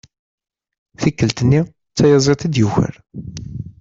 Tikkelt-nni d tayaẓiḍt i d-yuker.